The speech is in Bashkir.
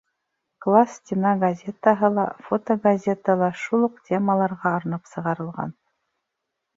Класс стена газетаһы ла, фотогазета ла шул уҡ темаларға арнап сығарылған.